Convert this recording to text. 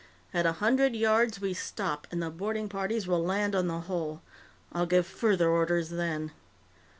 At a hundred yards, we stop and the boarding parties will land on the hull. I'll give further orders then.